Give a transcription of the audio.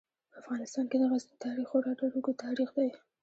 په افغانستان کې د غزني تاریخ خورا ډیر اوږد تاریخ دی.